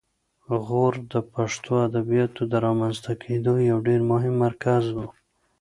غور د پښتو ادبیاتو د رامنځته کیدو یو ډېر مهم مرکز و